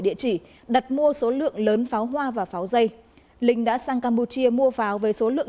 địa chỉ đặt mua số lượng lớn pháo hoa và pháo dây linh đã sang campuchia mua pháo với số lượng